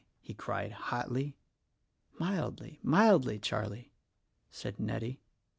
he cried hotly. "Mildly, mildly, Charlie," said Nettie.